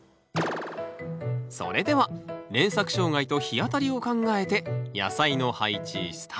それでは連作障害と日当たりを考えて野菜の配置スタート！